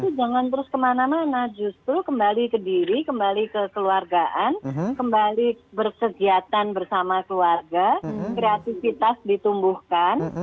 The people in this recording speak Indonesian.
itu jangan terus kemana mana justru kembali ke diri kembali ke keluargaan kembali berkegiatan bersama keluarga kreativitas ditumbuhkan